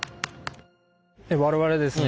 我々ですね